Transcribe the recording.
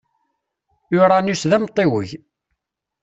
Uranus d amtiweg.